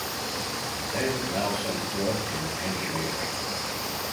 David Nelson worked in engineering.